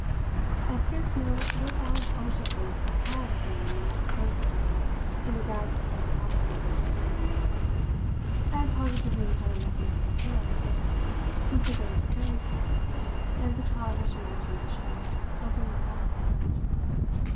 I scarce know what odd consciousness I had of roaming at close of day in the grounds of some castle of enchantment. I had positively encountered nothing to compare with this since the days of fairy tales and of the childish imagination of the impossible.